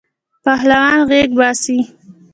پهلوان غیږ باسی.